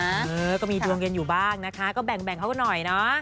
เออก็มีดวงเย็นอยู่บ้างนะคะก็แบ่งเขาก็หน่อยเนาะ